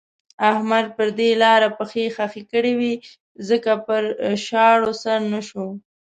احمد پر دې لاره پښې خښې کړې وې ځکه پر شاړو سر نه شو.